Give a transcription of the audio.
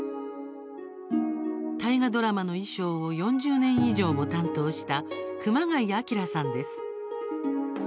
大河ドラマの衣装を４０年以上も担当した熊谷晃さんです。